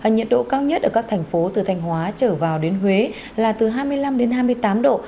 nhiệt độ cao nhất ở các thành phố từ thanh hóa trở vào đến huế là từ hai mươi năm đến hai mươi tám độ